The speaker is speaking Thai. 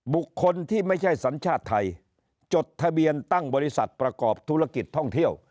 บุคคลที่ไม่ใช่สัญชาติไทยจดทะเบียนตั้งบริษัทประกอบธุรกิจท่องเที่ยว